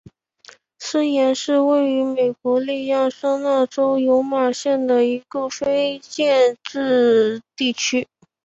斯廷是位于美国亚利桑那州尤马县的一个非建制地区。